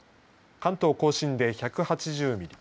関東甲信で１８０ミリ